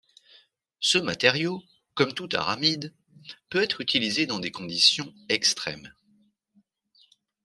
Ce matériau, comme tout aramide, peut être utilisé dans des conditions extrêmes.